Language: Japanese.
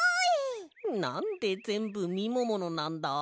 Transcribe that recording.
なんでぜんぶみもものなんだ？